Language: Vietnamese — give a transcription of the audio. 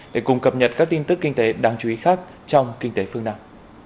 để cùng cập nhật các tin tức kinh tế đáng chú ý khác trong kinh tế phương nam